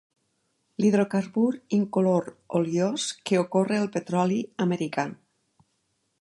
L'hidrocarbur incolor oliós que ocorre al petroli americà.